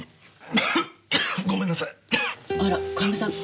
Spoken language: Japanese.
あら神戸さん風邪？